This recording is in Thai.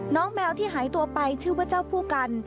แมวที่หายตัวไปชื่อว่าเจ้าผู้กัน